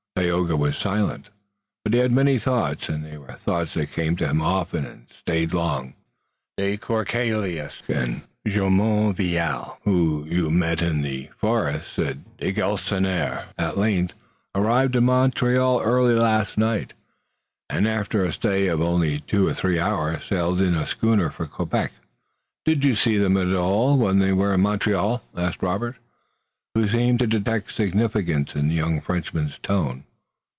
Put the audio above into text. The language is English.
Tayoga was silent but he had many thoughts, and they were thoughts that came to him often and stayed long. "De Courcelles and Jumonville, whom you met in the forest," said de Galisonnière, at length, "arrived in Montreal early last night, and after a stay of only two or three hours sailed in a schooner for Quebec." "Did you see them at all while they were in Montreal?" asked Robert, who seemed to detect significance in the young Frenchman's tone.